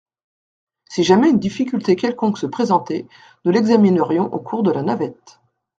Si jamais une difficulté quelconque se présentait, nous l’examinerions au cours de la navette.